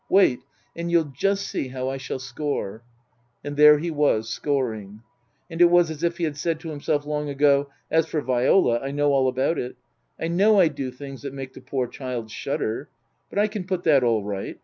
Wait, and you'll just see how I shall score." And there he was scoring. And it was as if he had said to himself long ago, " As for Viola, I know all about it. I know I do things that make the poor child shudder ; but I can put that all right.